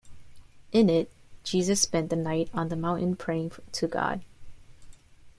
In it, Jesus spent the night on the mountain praying to God.